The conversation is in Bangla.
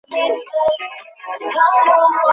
সবকিছু তোমাদের সাথে সংযুক্ত!